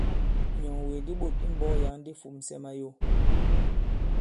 Ìnyɔ̀ŋwègè di ɓôt i mbɔ̄k yǎŋ di fūmsɛ mayo.